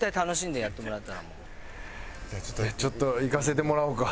ちょっといかせてもらおうか。